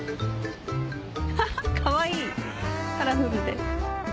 ハハっかわいいカラフルで。